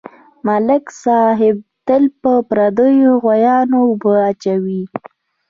ملک صاحب تل په پردیو غویانواوبه اچوي.